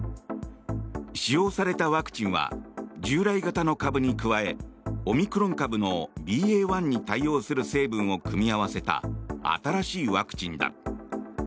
使用されたワクチンは従来型の株に加えオミクロン株のＢＡ．１に対応する成分を組み合わせた新しいワクチンだ。